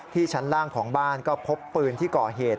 ชั้นล่างของบ้านก็พบปืนที่ก่อเหตุ